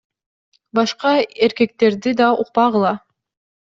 Башка эркектерди да укпагыла.